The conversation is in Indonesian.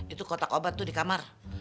itu kotak obat tuh di kamar